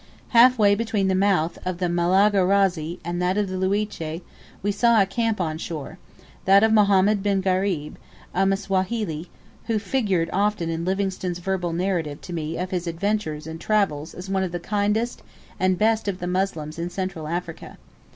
Half way between the mouth of the Malagarazi and that of the Liuche we saw a camp on shore that of Mohammed bin Gharib, a Msawahili, who figured often in Livingstone's verbal narrative to me of his adventures and travels as one of the kindest and best of the Moslems in Central Africa.